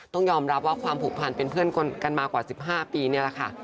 ต้องยอมรับว่าความผูกพันเป็นเพื่อนกันมากว่า๑๕ปีนี่แหละค่ะ